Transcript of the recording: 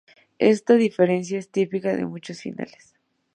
Esta diferencia es típica de muchos finales.